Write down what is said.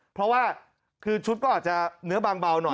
เพราะว่าคือชุดก็อาจจะเนื้อบางเบาหน่อย